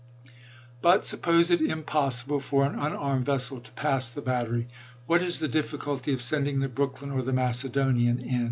But sup pose it impossible for an unarmed vessel to pass the battery, what is the difficulty of sending the Brooklyn or the Macedonian in